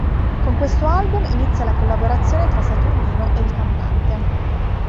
Con questo album inizia la collaborazione tra Saturnino e il cantante.